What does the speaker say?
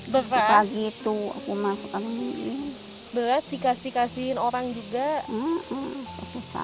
berat dikasih kasihin orang juga